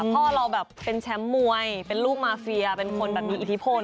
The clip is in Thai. พ่อเราแบบเป็นแชมป์มวยเป็นลูกมาเฟียเป็นคนแบบมีอิทธิพล